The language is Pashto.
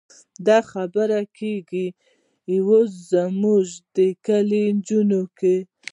دا خبرې کېږي اوس زموږ د کلي نجونو کې.